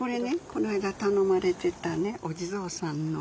この間頼まれてたねお地蔵さんの。